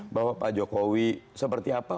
bahwa pak jokowi seperti apa